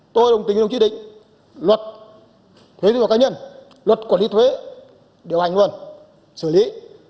tôi đồng tính với đồng chí định luật thế giới và cá nhân luật quản lý thuế điều hành luôn xử lý